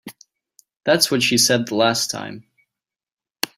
That's what she said the last time.